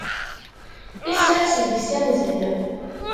Isers deg-s anzel.